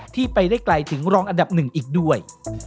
ที่ไปได้ไกลถึงรองอันดับหนึ่งอีกด้วย